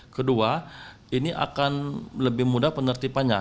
kedua ini akan lebih mudah penertibannya